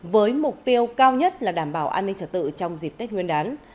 với mục tiêu cao nhất là đảm bảo an ninh trật tự trong dịp tết nguyên đán